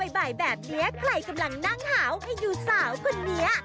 บ่ายแบบนี้ใครกำลังนั่งหาวให้ดูสาวคนนี้